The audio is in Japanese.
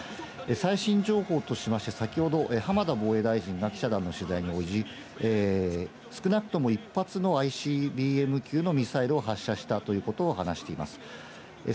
最新情報としまして先ほど浜田防衛大臣が記者団の取材に応じ、少なくとも１発のＩＣＢＭ級のミサイルを発射したということを話しています。